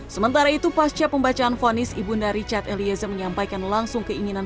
sementara itu pasca pembacaan fonis ibunda richard eliezer menyampaikan langsung keinginan